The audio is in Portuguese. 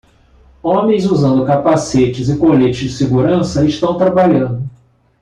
Homens usando capacetes e coletes de segurança estão trabalhando.